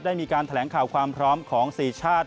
ได้มีการแถลงข่าวความพร้อมของ๔ชาติ